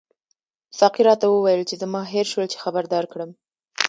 ساقي راته وویل چې زما هېر شول چې خبر درکړم.